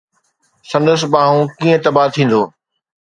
سندس ٻانهو ڪيئن تباهه ٿيندو؟